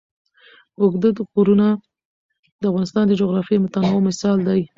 اوږده غرونه د افغانستان د جغرافیوي تنوع مثال دی.